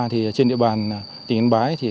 trên địa bàn tỉnh yên bái